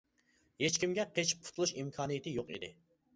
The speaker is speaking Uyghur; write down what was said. ھېچكىمگە قېچىپ قۇتۇلۇش ئىمكانىيىتى يوق ئىدى.